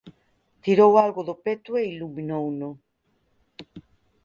Tirou algo do peto e iluminouno.